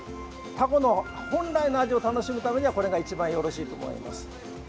タコの本来の味を楽しむためにはこれが一番よろしいと思います。